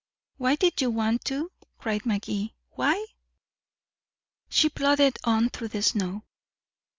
"Why did you want to?" cried Magee. "Why?" She plodded on through the snow.